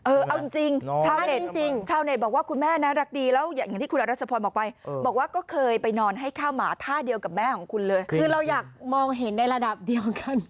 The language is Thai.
เอาจริงชาวเน็ตบอกว่าคุณแม่น่ารักดี